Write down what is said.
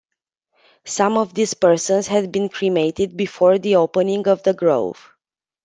Some of these persons had been cremated before the opening of the grove.